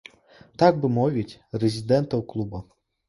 Так бы мовіць, рэзідэнтаў клуба.